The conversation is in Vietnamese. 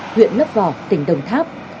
huyện lấp vò tỉnh đồng tháp